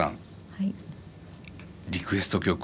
はい。